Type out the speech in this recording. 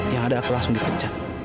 yang ada langsung dipecat